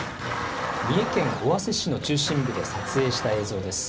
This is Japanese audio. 三重県尾鷲市の中心部で撮影した映像です。